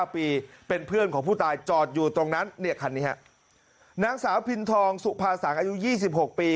เพื่อนของผู้ตายจอดอยู่ตรงนั้นเนี่ยคันนี้ฮะนางสาวพินทองสุภาษังอายุ๒๖ปี